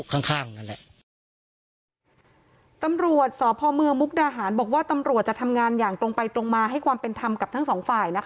ตำรวจสภมมกดาห่านบอกว่าตำรวจจะทำงานตรงไปตรงมาให้ความเป็นที่ทำกับทั้งสองฝ่าย